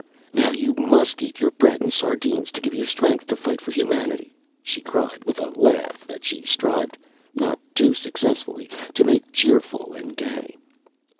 "Now you must eat your bread and sardines, to give you strength to fight for humanity!" she cried, with a laugh that she strived, not too successfully, to make cheerful and gay.